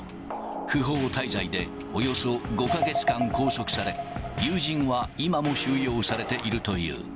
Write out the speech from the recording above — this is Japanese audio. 不法滞在でおよそ５か月間拘束され、友人は今も収容されているという。